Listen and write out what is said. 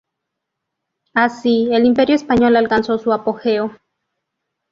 Así, el Imperio español alcanzó su apogeo.